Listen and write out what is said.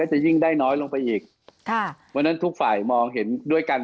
จะยิ่งได้น้อยลงไปอีกค่ะวันนั้นทุกฝ่ายมองเห็นด้วยกัน